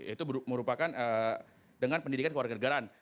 itu merupakan dengan pendidikan keluarga negaraan